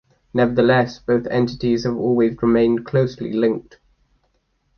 Nevertheless, both entities have always remained closely linked.